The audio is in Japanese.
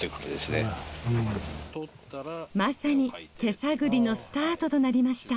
まさに手探りのスタートとなりました。